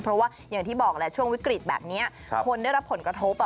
เพราะว่าอย่างที่บอกแหละช่วงวิกฤตแบบนี้คนได้รับผลกระทบ